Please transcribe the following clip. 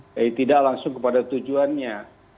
jadi tidak langsung kepada tujuannya